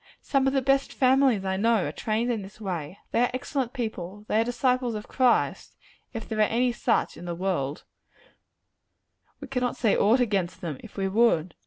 Some of the best families I know, are trained in this way. They are excellent people; they are disciples of Christ, if there are any such in the world: we cannot say aught against them, if we would.